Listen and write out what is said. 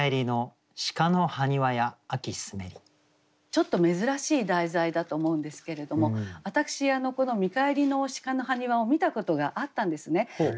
ちょっと珍しい題材だと思うんですけれども私この「見返りの鹿の埴輪」を見たことがあったんですね。